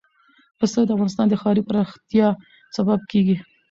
پسه د افغانستان د ښاري پراختیا سبب کېږي.